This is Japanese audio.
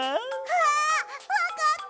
あわかった！